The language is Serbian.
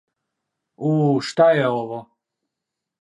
У, шта је ово?